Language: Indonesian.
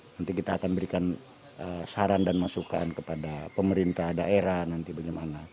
nanti kita akan berikan saran dan masukan kepada pemerintah daerah nanti bagaimana